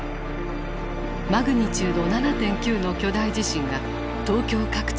マグニチュード７．９の巨大地震が東京各地を襲った。